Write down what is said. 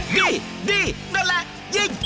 ดิดินั่นแหละยิง